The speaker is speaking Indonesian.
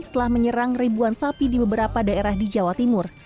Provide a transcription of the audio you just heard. telah menyerang ribuan sapi di beberapa daerah di jawa timur